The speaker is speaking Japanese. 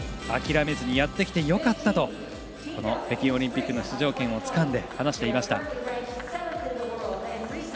諦めずにやってきてよかったとこの北京オリンピックの出場権をつかみ、話していました。